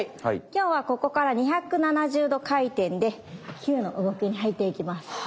今日はここから２７０度回転で９の動きに入っていきます。